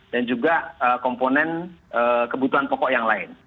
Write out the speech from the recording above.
dan juga komponen kebutuhan pokok yang lain